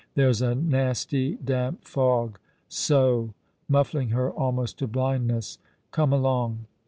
"There's a nasty damp fog — so," muffling her, almost to blindnes?!. " Come along."